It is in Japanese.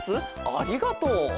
ありがとう。